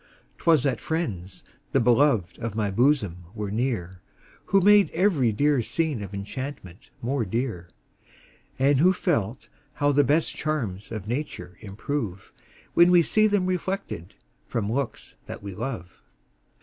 'Twas that friends, the beloved of my bosom, were near, Who made every dear scene of enchantment more dear, And who felt how the best charms of nature improve, When we see them reflected from looks that we love.